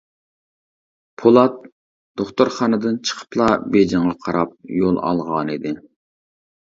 پولات دوختۇرخانىدىن چىقىپلا بېيجىڭغا قاراپ يول ئالغانىدى.